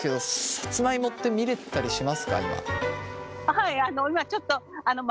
はい。